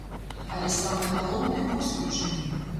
Але самае галоўнае вось у чым.